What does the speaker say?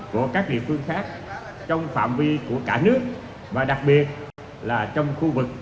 đồng thời thành phố luôn xác định sự phát triển của thành phố hồ chí minh luôn luôn gắn liền với các nội